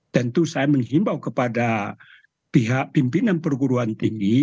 tentu saya menghimbau kepada pihak pimpinan perguruan tinggi